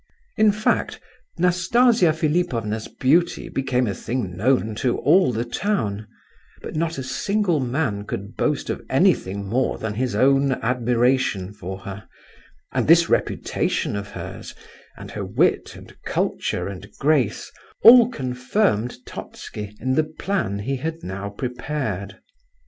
In fact, Nastasia Philipovna's beauty became a thing known to all the town; but not a single man could boast of anything more than his own admiration for her; and this reputation of hers, and her wit and culture and grace, all confirmed Totski in the plan he had now prepared.